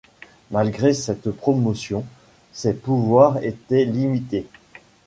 Malgré cette promotion, ses pouvoirs étaient limités.